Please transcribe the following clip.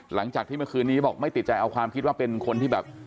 หลังจากที่เมื่อคืนนี้บอกไม่ติดใจเอาความคิดว่าเป็นคนที่แบบ